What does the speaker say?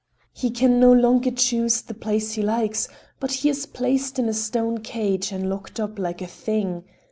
He can no longer choose the place he likes, but he is placed in a stone cage, and locked up like a thing.